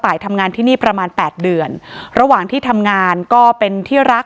ทำงานที่นี่ประมาณแปดเดือนระหว่างที่ทำงานก็เป็นที่รัก